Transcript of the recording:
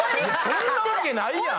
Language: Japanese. そんなわけないやん。